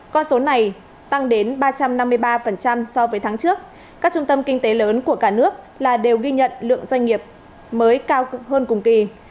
con số này tăng đến ba trăm năm mươi ba so với tháng trước các trung tâm kinh tế lớn của cả nước là đều ghi nhận lượng doanh nghiệp mới cao hơn cùng kỳ